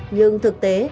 nhưng thực tế